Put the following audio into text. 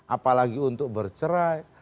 apalagi untuk bercerai